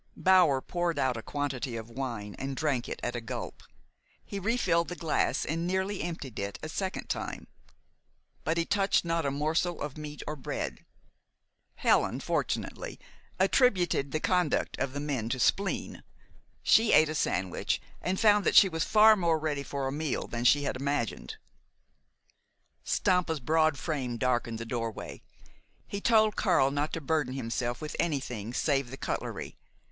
Bower poured out a quantity of wine and drank it at a gulp. He refilled the glass and nearly emptied it a second time. But he touched not a morsel of meat or bread. Helen, fortunately, attributed the conduct of the men to spleen. She ate a sandwich, and found that she was far more ready for a meal than she had imagined. Stampa's broad frame darkened the doorway. He told Karl not to burden himself with anything save the cutlery.